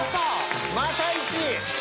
また１位！